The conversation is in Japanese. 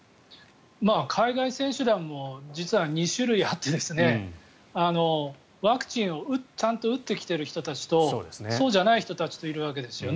海外選手団も実は２種類あってワクチンをちゃんと打ってきてる人たちとそうじゃない人たちといるわけですよね。